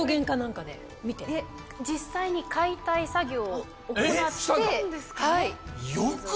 実際に解体作業を行って。